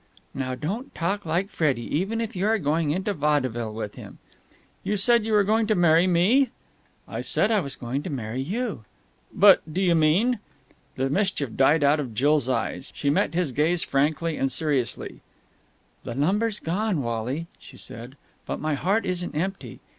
"Now, don't talk like Freddie, even if you are going into vaudeville with him." "You said you were going to marry me?" "I said I was going to marry you!" "But do you mean...?" The mischief died out of Jill's eyes. She met his gaze frankly and seriously. "The lumber's gone, Wally," she said. "But my heart isn't empty.